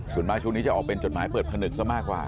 ส่วนมากช่วงนี้จะออกเป็นจดหมายเปิดผนึกซะมากกว่า